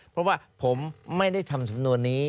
เพราะว่าผมไม่ได้ทำสำนวนนี้